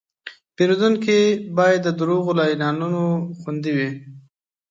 پیرودونکی باید د دروغو له اعلانونو خوندي وي.